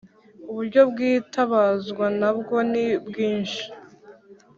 Uburyo bwitabazwa na bwo ni bwinshi.